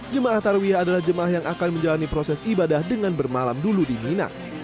jemaah tarwiyah adalah jemaah yang akan menjalani proses ibadah dengan bermalam dulu di mina